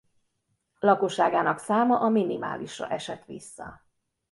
Lakosságának száma a minimálisra esett vissza.